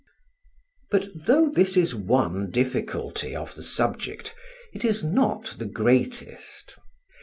But though this is one difficulty of the subject, it is not the greatest.